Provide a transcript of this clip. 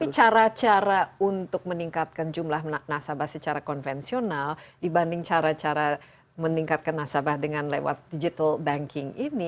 tapi cara cara untuk meningkatkan jumlah nasabah secara konvensional dibanding cara cara meningkatkan nasabah dengan lewat digital banking ini